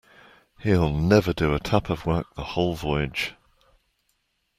He'll never do a tap of work the whole Voyage.